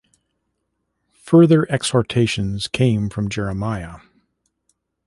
Further exhortations came from Jeremiah.